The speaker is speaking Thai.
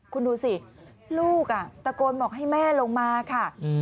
คุณดูสิลูกตะโกนบอกให้แม่ลงมาค่ะ